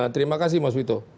terima kasih mas wito